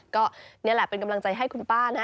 ก็นี่แหละเป็นกำลังใจให้คุณป้านะ